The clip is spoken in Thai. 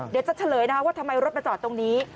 เดี๋ยวจะเฉลยว่าทำไมรถมาจอดตรงนี้